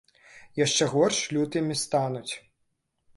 Яшчэ горш лютымі стануць.